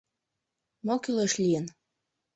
Мо кӱлеш лийын?